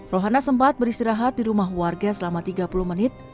rohana sempat beristirahat di rumah warga selama tiga puluh menit